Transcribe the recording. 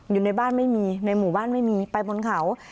อยู่ในบ้านไม่มีในหมู่บ้านไม่มีไปบนเขา